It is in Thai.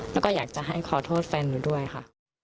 แล้วก็อยากจะให้ขอโทษแฟนหนูด้วยค่ะ